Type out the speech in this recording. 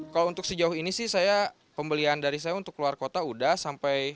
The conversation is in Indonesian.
kalau untuk sejauh ini sih saya pembelian dari saya untuk keluar kota udah sampai